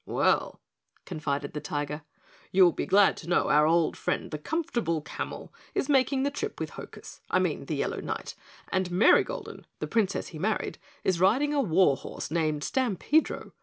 "Well," confided the Tiger, "you'll be glad to know our old friend the Comfortable Camel is making the trip with Hokus, I mean the Yellow Knight, and Marygolden, the Princess he married, is riding a warhorse named Stampedro.